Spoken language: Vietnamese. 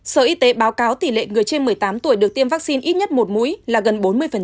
sở y tế báo cáo tỷ lệ người trên một mươi tám tuổi được tiêm vaccine ít nhất một mũi là gần bốn mươi